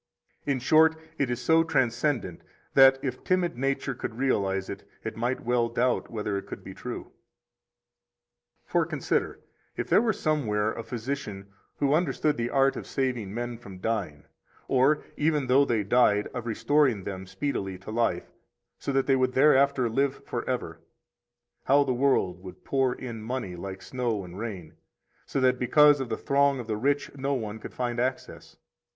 42 In short, it is so transcendent that if timid nature could realize it, it might well doubt whether it could be true. 43 For consider, if there were somewhere a physician who understood the art of saving men from dying, or, even though they died, of restoring them speedily to life, so that they would thereafter live forever, how the world would pour in money like snow and rain, so that because of the throng of the rich no one could find access!